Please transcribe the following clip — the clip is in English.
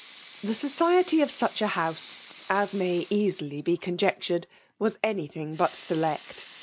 The society of such a house, as may easily be conjectured, was any thing but select.